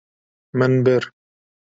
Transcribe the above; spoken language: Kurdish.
Min bir.